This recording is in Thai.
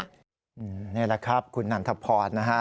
นี่แหละครับคุณนันทพรนะฮะ